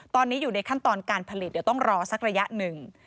ตอนนี้อยู่ในขั้นตอนการผลิตเดี๋ยวต้องรอสักระยะหนึ่ง